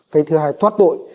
cái thứ hai thoát tội